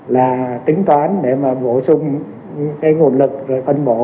là tính toán để mà bổ sung cái nguồn lực rồi phân bổ